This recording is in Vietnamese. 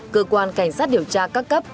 cơ quan cảnh sát điều tra các cấp